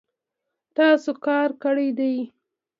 تاسو کار کړی دی